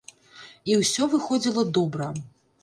І ўсё выходзіла добра.